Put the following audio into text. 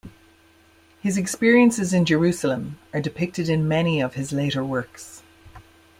His experiences in Jerusalem are depicted in many of his later works.